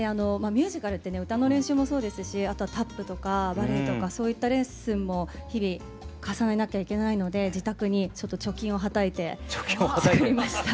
ミュージカルってね歌の練習もそうですしあとはタップとかバレエとかそういったレッスンも日々重ねなきゃいけないので自宅にちょっと貯金をはたいてつくりました。